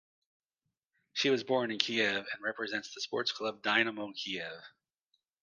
She was born in Kiev, and represents the sports club Dynamo Kiev.